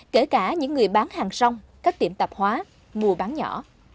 kể cả những người bán hàng rong các tiệm tạp hóa mua bán nhỏ